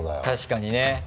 確かにね